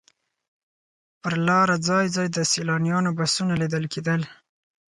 پر لاره ځای ځای د سیلانیانو بسونه لیدل کېدل.